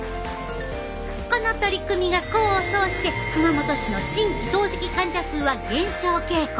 この取り組みが功を奏して熊本市の新規透析患者数は減少傾向。